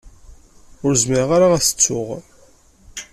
Ur zmireɣ ara ad t-ttuɣ.